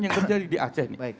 yang terjadi di aceh